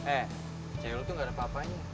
eh cewek lo tuh gak ada apa apanya